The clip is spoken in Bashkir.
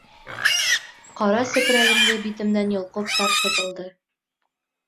Ҡара сепрәгемде битемдән йолҡоп тартып алды.